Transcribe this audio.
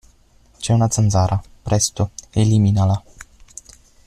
C'è una zanzara! Presto, eliminala!